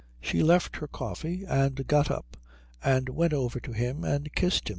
She left her coffee and got up and went over to him and kissed him.